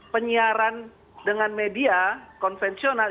penyiaran dengan media konvensional